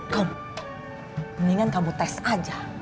kaum mendingan kamu tes aja